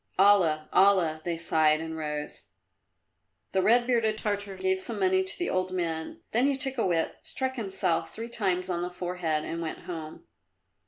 "Allah! Allah!" they sighed and rose. The red bearded Tartar gave some money to the old men, then he took a whip, struck himself three times on the forehead and went home.